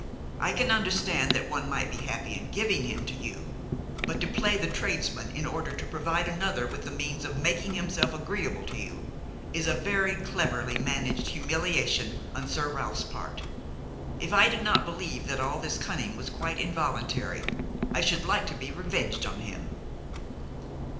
I can understand that one might be happy in giving him to you; but to play the tradesman in order to provide another with the means of making himself agreeable to you, is a very cleverly managed humiliation on Sir Ralph's part. If I did not believe that all this cunning was quite involuntary, I would like to be revenged on him."